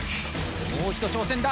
もう一度挑戦だ！